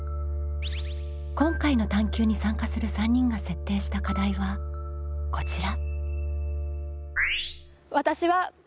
今回の探究に参加する３人が設定した課題はこちら。